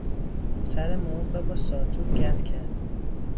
سر مرغ را با ساطور قطع کرد.